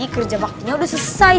kerja baktinya udah selesai